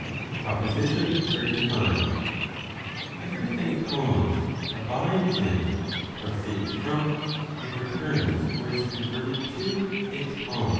PROPOSITION XXXV. Every thing caused, abides in, proceeds from, and returns, or is converted to, its cause.